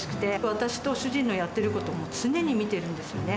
私と主人のやってることを常に見てるんですよね。